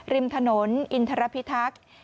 ริมถนนอินทรพิทักษ์